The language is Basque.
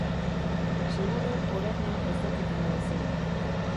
Seguru oraino ez dakitela ezer.